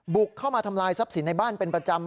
บุกเข้ามาทำลายทรัพย์สินในบ้านเป็นประจำ